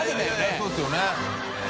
そうですよね。